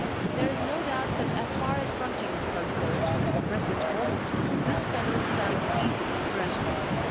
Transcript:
There is no doubt that as far as hunting is concerned at the present moment this kennel stands easily first.